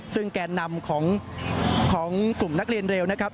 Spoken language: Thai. ซึ่งแกนนำของกลุ่มนักเรียนเร็วนะครับ